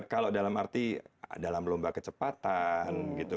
kalau dalam arti dalam lomba kecepatan gitu